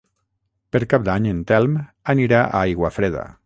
Per Cap d'Any en Telm anirà a Aiguafreda.